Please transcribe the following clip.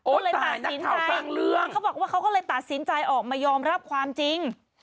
ก็เลยตัดสินใจเขาบอกว่าเขาก็เลยตัดสินใจออกมายอมรับความจริง